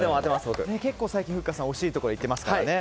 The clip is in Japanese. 結構最近、ふっかさんは惜しいところにいってますからね。